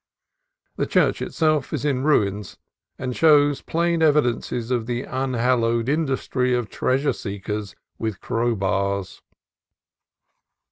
The church itself is in ruins, and shows plain evidences of the unhallowed industry of treasure seekers with crowbars.